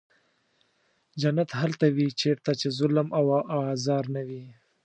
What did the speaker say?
جنت هلته وي چېرته چې ظلم او آزار نه وي.